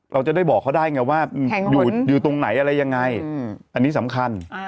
เราจะได้บอกเขาได้ไงว่าอยู่ตรงไหนอะไรยังไงอันนี้สำคัญ